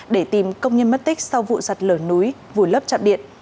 để tìm công nhân mất tích sau vụ sạt lở núi vùi lấp chạm điện